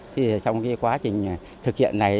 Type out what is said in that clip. trong quá trình thực hiện này